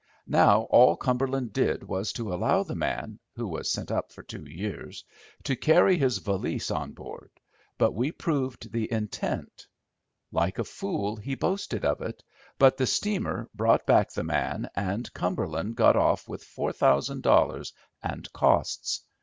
Now all Cumberland did was to allow the man—he was sent up for two years—to carry his valise on board, but we proved the intent. Like a fool, he boasted of it, but the steamer brought back the man, and Cumberland got off with four thousand dollars and costs.